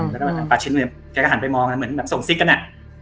แล้วปาชินแกก็หันไปมองเหมือนส่งซิกน่ะ